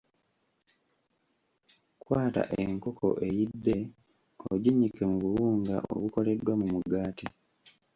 Kwata enkoko eyidde oginnyike mu buwunga obukoleddwa mu mugaati.